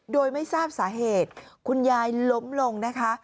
โดยไม่ทราบสาเหตุคุณยายล้มลงนะคะ